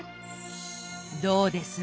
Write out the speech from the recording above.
どうです？